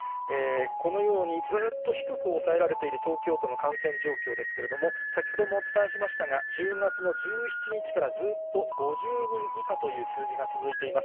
このようにずっと低く抑えられている東京都の感染状況ですけれども、先ほどもお伝えしましたが、１０月の１７日からずっと５０人以下という数字が続いています。